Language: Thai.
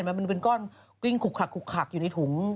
มันเป็นก้อนกิ้งขุกขักอยู่ในถุง